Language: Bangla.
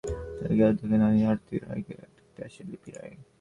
ভারতের কোচবিহারের দিনহাটা থানার গিতালদহ থেকে নানি আরতী রায়কে দেখতে আসে লিপি রায়।